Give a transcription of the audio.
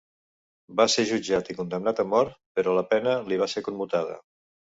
Va ser jutjat i condemnat a mort, però la pena li va ser commutada.